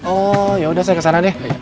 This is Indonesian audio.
oh yaudah saya kesana deh